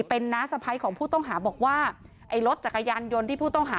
เป็นน้าสะพ้ายของผู้ต้องหาบอกว่าไอ้รถจักรยานยนต์ที่ผู้ต้องหา